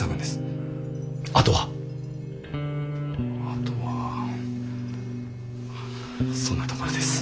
あとはそんなところです。